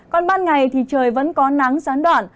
còn ban ngày thì trời vẫn có nắng gián đoạn